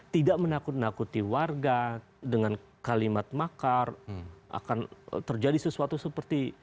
tidak menakut nakuti warga dengan kalimat makar akan terjadi sesuatu seperti